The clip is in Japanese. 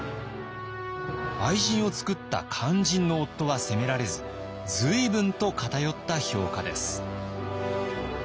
愛人を作った肝心の夫は責められず随分と偏った評価です。